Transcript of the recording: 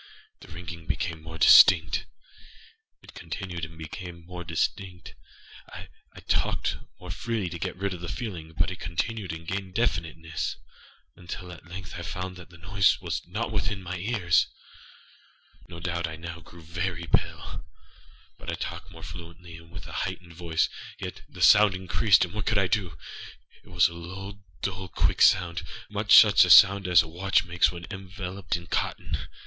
The ringing became more distinct:âit continued and became more distinct: I talked more freely to get rid of the feeling: but it continued and gained definitenessâuntil, at length, I found that the noise was not within my ears. No doubt I now grew very pale; âbut I talked more fluently, and with a heightened voice. Yet the sound increasedâand what could I do? It was a low, dull, quick soundâmuch such a sound as a watch makes when enveloped in cotton.